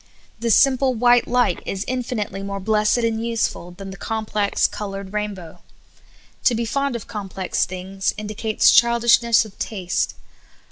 The simple white light is infinitely more blessed and useful than the complex, colored rainbow\ To be fond of complex things indi cates childishness of taste.